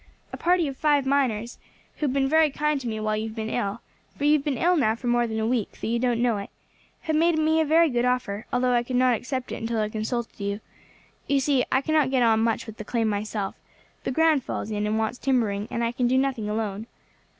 A party of five miners, who have been very kind to me while you have been ill for you have been ill now for more than a week, though you don't know it have made me a very good offer, although I could not accept it until I consulted you. You see I cannot get on much with the claim by myself; the ground falls in and wants timbering, and I can do nothing alone.